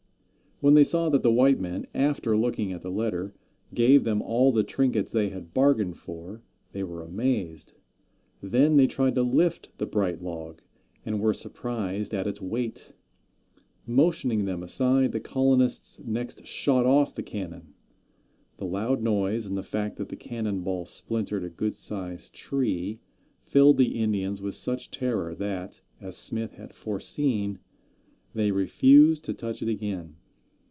When they saw that the white men, after looking at the letter, gave them all the trinkets they had bargained for, they were amazed. Then they tried to lift the bright log, and were surprised at its weight. Motioning them aside, the colonists next shot off the cannon. The loud noise, and the fact that the cannon ball splintered a good sized tree, filled the Indians with such terror that, as Smith had foreseen, they refused to touch it again.